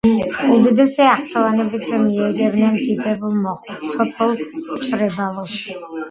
უდიდესი აღფრთოვანებით მიეგებნენ დიდებულ მოხუცს სოფელ ჭრებალოში